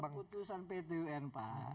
kalau ada putusan pt un pak